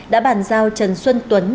đã bàn giao trần xuân tuấn